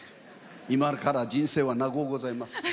今から人生は長うございます。